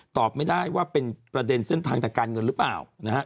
ตอบไม่ได้ว่าเป็นประเด็นเส้นทางทางการเงินหรือเปล่านะฮะ